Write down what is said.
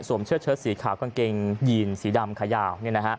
เสื้อเชิดสีขาวกางเกงยีนสีดำขายาว